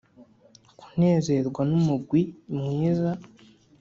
Kunezerwa n'umugwi mwiza